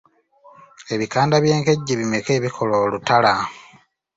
Ebikanda by’enkejje bimeka ebikola olutala?